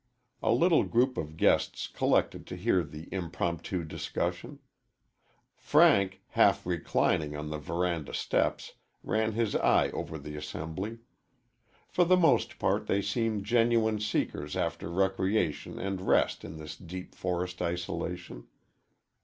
A little group of guests collected to hear the impromptu discussion. Frank, half reclining on the veranda steps, ran his eye over the assembly. For the most part they seemed genuine seekers after recreation and rest in this deep forest isolation.